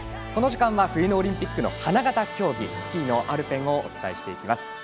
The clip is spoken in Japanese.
この時間は、冬のオリンピックの花形競技、スキーのアルペンをお伝えしていきます。